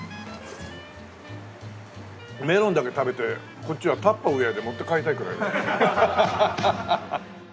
メロンだけ食べてこっちはタッパーに入れて持って帰りたいくらいだね。